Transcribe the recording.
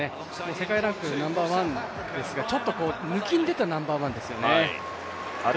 世界ランクナンバーワンですが、ちょっと抜きん出たナンバーワンですよね。